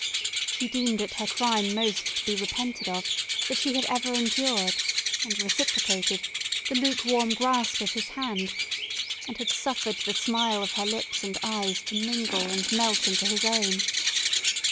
She deemed it her crime most to be repented of, that she had ever endured and reciprocated the lukewarm grasp of his hand, and had suffered the smile of her lips and eyes to mingle and melt into his own.